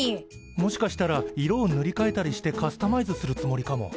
もしかしたら色をぬりかえたりしてカスタマイズするつもりかも。